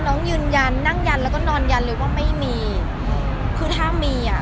น้องยืนยันนั่งยันแล้วก็นอนยันเลยว่าไม่มีคือถ้ามีอ่ะ